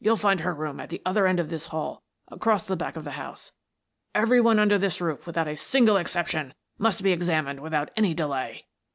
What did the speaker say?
You'll find her rooms at the other end of this hall, across the back of the house. Every one under this roof, without a single exception, must be examined without any delay."